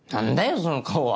その顔は！